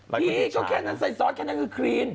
พี่ก็แค่นั้นใส่ซอสแค่นั้นคือครีน